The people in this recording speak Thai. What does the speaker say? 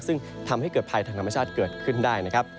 ซึ่งทำให้เกิดภัยทางธรรมชาติเกิดขึ้นได้นะครับ